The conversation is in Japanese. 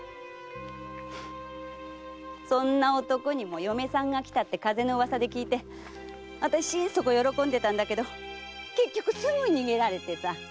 そんな男にも嫁さんがきたって風の噂で聞いてあたし心底喜んでたんだけど結局すぐ逃げられてさ。